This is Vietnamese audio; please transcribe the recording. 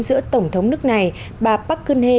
giữa tổng thống nước này bà park geun hye